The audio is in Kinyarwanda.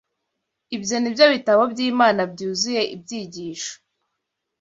Ibyo ni byo bitabo by’Imana byuzuye ibyigisho